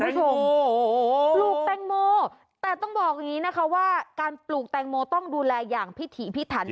คุณผู้ชมปลูกแตงโมแต่ต้องบอกอย่างนี้นะคะว่าการปลูกแตงโมต้องดูแลอย่างพิถีพิถัน